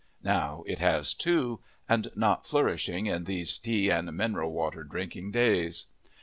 Now it has two, and not flourishing in these tea and mineral water drinking days.